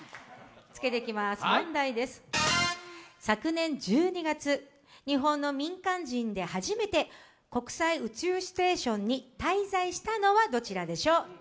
昨年１２月、日本の民間人で初めて国際宇宙ステーションに滞在したのはどちらでしょう？